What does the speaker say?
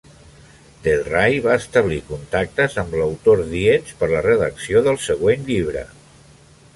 Del Ray va establir contactes amb a l'autor Dietz per la redacció del següent llibre.